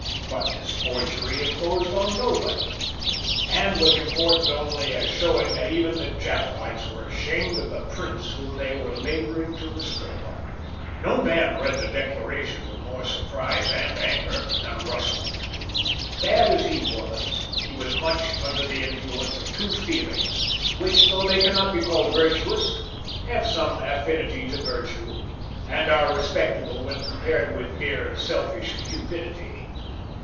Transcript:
But this forgery imposed on nobody, and was important only as showing that even the Jacobites were ashamed of the prince whom they were labouring to restore. No man read the Declaration with more surprise and anger than Russell. Bad as he was, he was much under the influence of two feelings, which, though they cannot be called virtuous, have some affinity to virtue, and are respectable when compared with mere selfish cupidity.